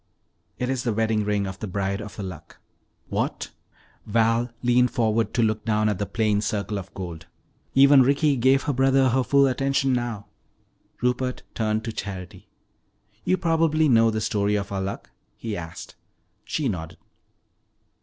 "It is the wedding ring of the Bride of the Luck." "What!" Val leaned forward to look down at the plain circle of gold. Even Ricky gave her brother her full attention now. Rupert turned to Charity. "You probably know the story of our Luck?" he asked. She nodded.